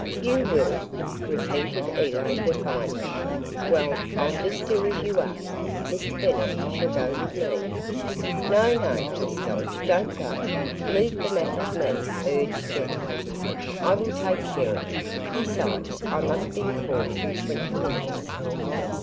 "You will?" repeated Elaine defiantly. "Well, I'll just do as you ask. Mr. Bennett shall go with me." "No, no, Miss Dodge don't go. Leave the matter to me," urged Bennett. "I will take care of HER. Besides, I must be in court in twenty minutes."